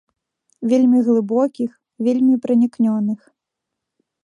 Вельмі глыбокіх, вельмі пранікнёных.